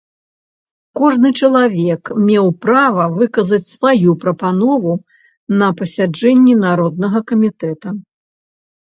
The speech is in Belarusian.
Кожны чалавек меў права выказаць сваю прапанову на пасяджэнні народнага камітэта.